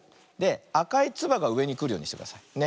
あかいつばがうえにくるようにしてください。ね。